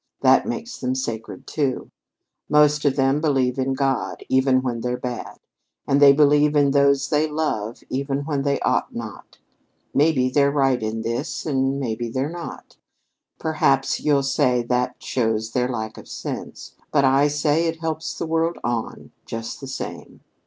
That makes them sacred, too. Most of them believe in God, even when they're bad, and they believe in those they love even when they ought not. Maybe they're right in this and maybe they're not. Perhaps you'll say that shows their lack of sense. But I say it helps the world on, just the same.